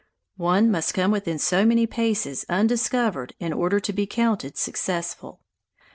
One must come within so many paces undiscovered in order to be counted successful.